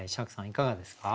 いかがですか？